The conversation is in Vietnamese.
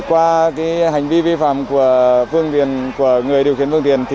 qua hành vi vi phạm của phương tiền của người điều khiển phương tiện